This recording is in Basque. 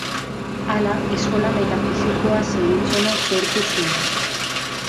Hala, eskola metafisikoa zeritzona sortu zuen.